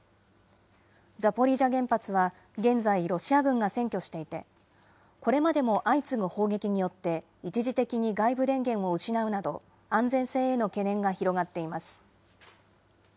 ザポリージャ原発は、現在ロシア軍が占拠していて、これまでも相次ぐ砲撃によって一時的に外部電源を失うなど、安全性への懸念が広がっています。